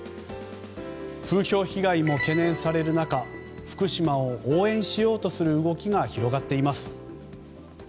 風評被害も懸念される中福島を応援しようとする動きも広がっています。